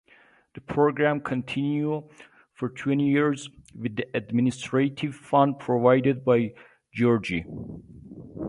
The program continued for twenty years with the administrative funds provided by Gregory.